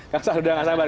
kang saan udah gak sabar